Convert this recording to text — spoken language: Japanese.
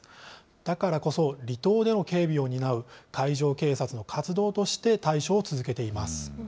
だからこそ離島での警備を担う海上警察の活動として対処を続けています。